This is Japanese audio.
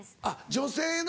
女性の。